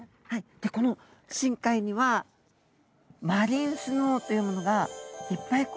でこの深海にはマリンスノーというものがいっぱいこう雪のように降ってくるんですね。